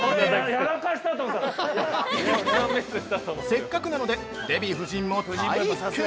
◆せっかくなのでデヴィ夫人も体験。